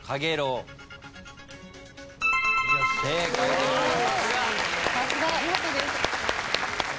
正解でございます。